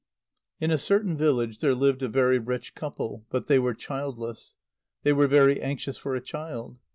_ In a certain village there lived a very rich couple; but they were childless. They were very anxious for a child.